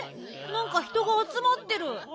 なんか人があつまってる。